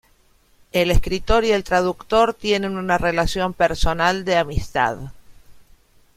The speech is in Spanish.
El escritor y el traductor tienen una relación personal de amistad.